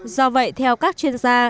do vậy theo các chuyên gia